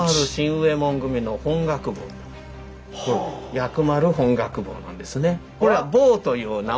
薬丸本覚坊なんですね。